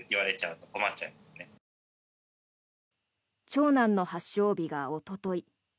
長男の発症日がおととい。